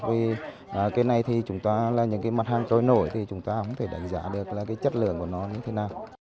vì những mặt hàng trôi nổi thì chúng ta không thể đánh giá được chất lượng của nó như thế nào